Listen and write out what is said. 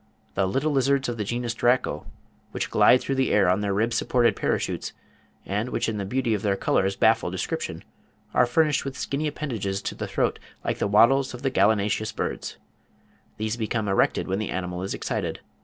The little lizards of the genus Draco, which glide through the air on their rib supported parachutes, and which in the beauty of their colours baffle description, are furnished with skinny appendages to the throat "like the wattles of gallinaceous birds." These become erected when the animal is excited.